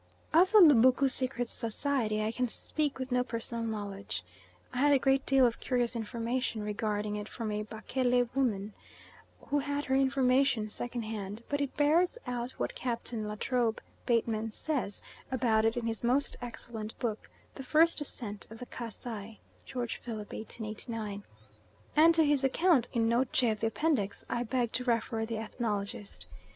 Of the Lubuku secret society I can speak with no personal knowledge. I had a great deal of curious information regarding it from a Bakele woman, who had her information second hand, but it bears out what Captain Latrobe Bateman says about it in his most excellent book The First Ascent of the Kasai (George Phillip, 1889), and to his account in Note J of the Appendix, I beg to refer the ethnologist.